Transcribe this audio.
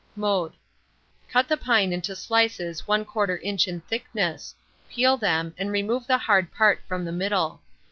Mode. Cut the pine into slices 1/4 inch in thickness; peel them, and remove the hard part from the middle.